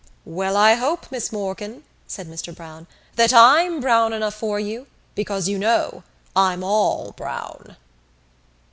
"Well, I hope, Miss Morkan," said Mr Browne, "that I'm brown enough for you because, you know, I'm all brown."